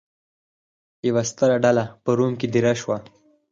یوه ستره ډله په روم کې دېره شوه.